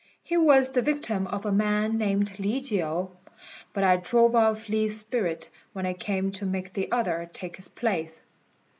He was the victim of a man named Li Chiu; but I drove off Li's spirit when it came to make the other take his place."